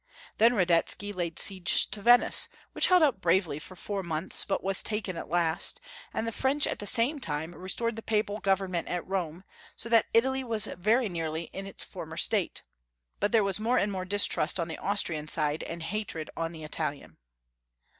Then Radetsky laid siege to Venice, which held out bravely for four montlis, but it was taken at last, and the French at the same time restored the Papal government at Rome, so that Italy was very nearly in its former state ; but there was more and more distrust on the Austrian side, and hatred on the Italian.